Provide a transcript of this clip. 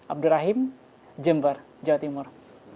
abdurrahim jember jawa timur